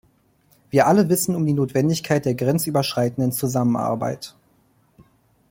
Wir alle wissen um die Notwendigkeit der grenzüberschreitenden Zusammenarbeit.